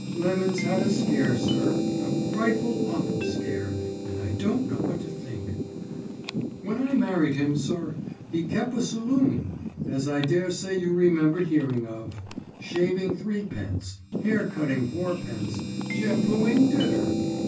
Lemon's had a scare, sir, a frightful awful scare, and I don't know what to think. "When I married him, sir, he kep a saloon, as I daresay you remember hearing of; shaving threepence, hair cutting fourpence, shampooing ditter.